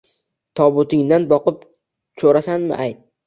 Tobutingdan boqib, ko’rasanmi, ayt